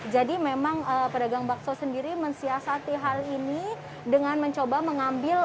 jadi memang pedagang bakso sendiri mensiasati hal ini dengan mencoba mengambil